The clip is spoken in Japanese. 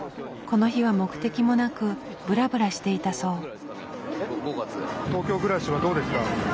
この日は目的もなくブラブラしていたそう。